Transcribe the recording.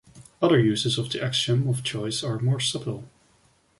Other uses of the axiom of choice are more subtle.